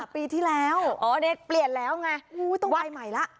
ปีที่แล้วอ๋อเนี้ยเปลี่ยนแล้วไงอู้ต้องไปใหม่ล่ะ